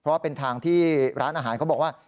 เพราะว่าเป็นทางที่ร้านอาหารเขาบอกว่า